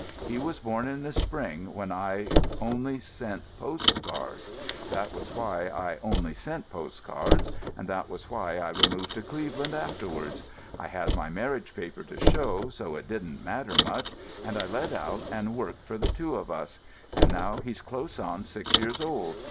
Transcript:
He was born in the spring, when I only sent post cards. That was why I only sent post cards, and that was why I removed to Cleveland afterwards. I had my marriage paper to show, so it didn't matter much, and I let out and worked for the two of us; and now he's close on six years old.